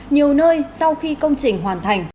nhiều nơi sau khi công trình hoàn thành